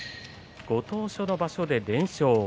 ご当所の場所で連勝。